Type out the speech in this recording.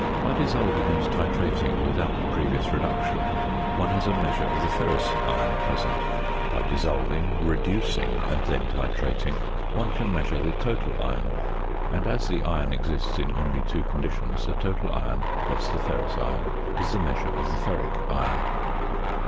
By dissolving and titrating (without previous reduction) one has a measure of the ferrous iron present; by dissolving, reducing, and then titrating, one can measure the total iron; and as the iron exists in only two conditions, the total iron, less the ferrous iron, is the measure of the ferric iron.